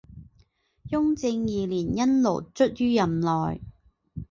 雍正二年因劳卒于任内。